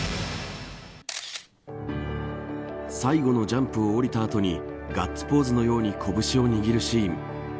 最後のジャンプを降りた後にガッツポーズのように拳を握るシーン。